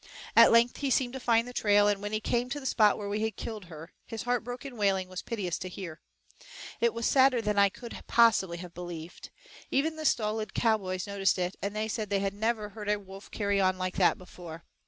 At length he seemed to find the trail, and when he came to the spot where we had killed her, his heartbroken wailing was piteous to hear. It was sadder than I could possibly have believed. Even the stolid cowboys noticed it, and said they had "never heard a wolf carry on like that before."